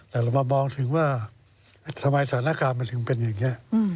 แต่เรามามองถึงว่าทำไมสถานการณ์มันถึงเป็นอย่างนี้